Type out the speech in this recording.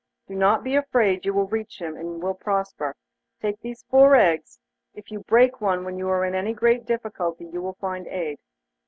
Do not be afraid, you will reach him, and will prosper. Take these four eggs; if you break one when you are in any great difficulty, you will find aid.